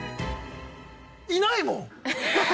いないもん。